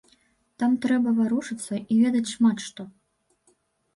Там трэба варушыцца і ведаць шмат што.